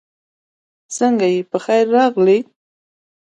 سنګه یی پخير راغلې